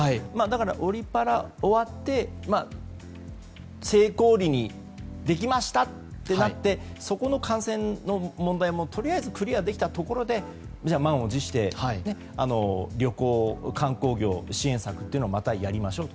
オリパラ終わって成功できましたとなってそこの感染の問題もとりあえずクリアできたところで満を持して旅行・観光業支援策をまたやりましょうと。